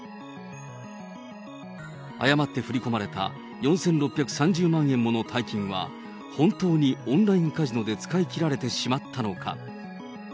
誤って振り込まれた４６３０万円もの大金は、本当にオンラインカジノで使い切られてしまったのか。